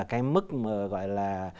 cái mức gọi là